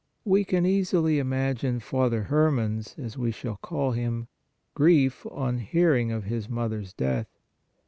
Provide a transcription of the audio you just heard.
We can easily imagine Father Herman s (as we shall call him) grief on hearing of his mother s death.